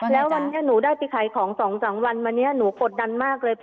แล้ววันนี้หนูได้ไปขายของ๒๓วันวันนี้หนูกดดันมากเลย